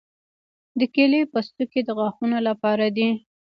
د کیلې پوستکي د غاښونو لپاره دي.